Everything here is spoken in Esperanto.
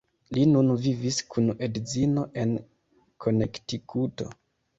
Li nun vivis kun edzino en Konektikuto.